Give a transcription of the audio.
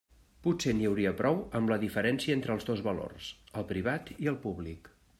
Potser n'hi hauria prou amb la diferència entre els dos valors, el privat i el públic.